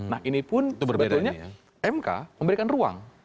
nah inipun sebetulnya mk memberikan ruang